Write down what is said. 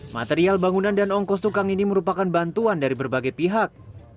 material bangunan dan ongkos tukang ini merupakan bantuan dari berbagai pihak